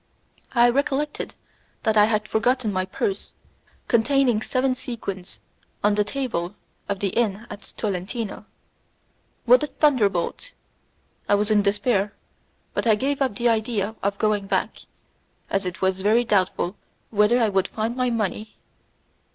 I recollected that I had forgotten my purse, containing seven sequins, on the table of the inn at Tolentino. What a thunderbolt! I was in despair, but I gave up the idea of going back, as it was very doubtful whether I would find my money.